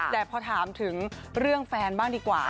แต่พอถามถึงเรื่องแฟนบ้างดีกว่า